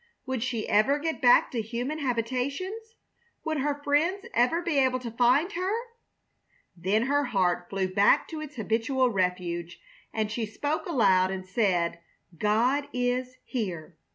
Would she ever get back to human habitations? Would her friends ever be able to find her? Then her heart flew back to its habitual refuge, and she spoke aloud and said, "God is here!"